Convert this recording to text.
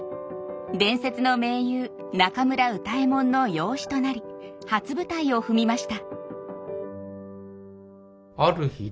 伝説の名優中村歌右衛門の養子となり初舞台を踏みました。